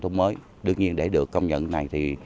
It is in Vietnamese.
tôi đến từ gia lai